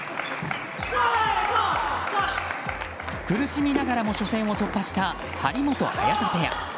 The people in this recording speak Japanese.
苦しみながらも初戦を突破した張本、早田ペア。